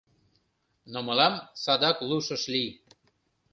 Но мылам садак луш ыш лий.